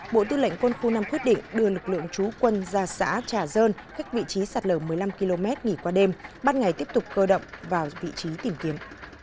bộ tư lệnh quân khu năm quyết định đưa lực lượng trú quân ra xã trà dơn khách vị trí sạt lở một mươi năm km nghỉ qua đêm bắt ngày tiếp tục cơ động vào vị trí tìm kiếm